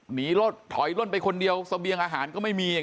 หนีถอยล่นไปคนเดียวสะเบียงอาหารก็ไม่มี